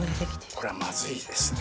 これはまずいですね。